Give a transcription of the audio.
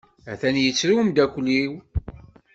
Atan yettru umdakel-iw.